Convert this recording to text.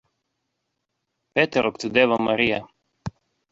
Peter occideva Maria.